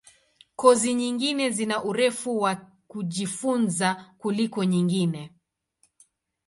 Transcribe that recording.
Kozi nyingine zina urefu wa kujifunza kuliko nyingine.